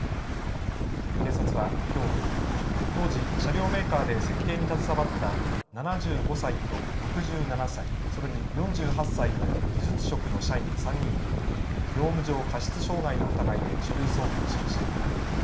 警察はきょう当時車両メーカーで設計に携わった７５歳と６７歳、それに４８歳の技術職の社員３人を業務上過失傷害の疑いで書類送検しました。